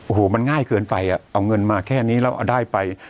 โอ้โหมันง่ายเกินไปอ่ะเอาเงินมาแค่นี้แล้วเอาได้ไป